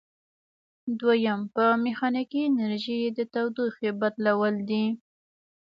دوهم په میخانیکي انرژي د تودوخې بدلول دي.